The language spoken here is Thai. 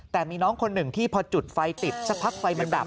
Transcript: แต่มีน้องคนหนึ่งที่พอจุดไฟติดสักพักไฟมันดับ